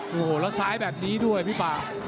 โอ้โหแล้วซ้ายแบบนี้ด้วยพี่ป่า